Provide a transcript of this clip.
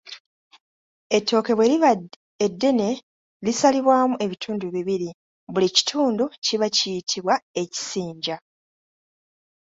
Ettooke bwe liba eddene lisalibwamu ebitundu bibiri; buli kitundu kiba kiyitibwa Ekisinja.